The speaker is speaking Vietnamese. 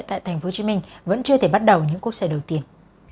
tại tp hcm vẫn chưa thể bắt đầu những quốc xe đầu tiên